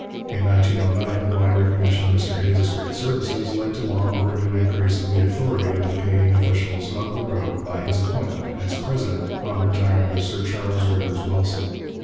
In 1909 the wide recognition of Mr Hays's great services led to long overdue increase of the authority of the Canadian officials of the road by his appointment as president, on the retirement of Sir Charles Rivers Wilson.